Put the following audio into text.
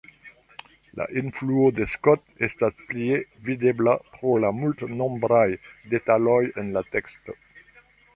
La influo de Scott estas plie videbla pro la multnombraj detaloj en la teksto.